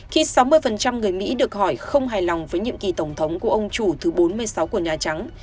khi sáu mươi người mỹ được hỏi không hài lòng với nhiệm kỳ tổng thống của ông chủ thứ bốn mươi sáu của nhà trắng